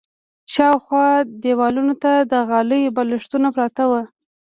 شاوخوا دېوالونو ته د غالیو بالښتونه پراته ول.